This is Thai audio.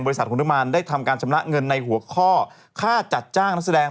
บริษัทของเรามันได้ทำการชำระเงินในหัวข้อค่าจัดจ้างนักแสดง